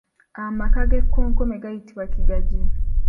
Amaka g’ekkonkome gayitibwa Kigagi.